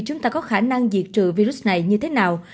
chúng ta có khả năng diệt trừ virus này như thế nào